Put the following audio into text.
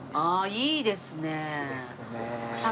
いいですね。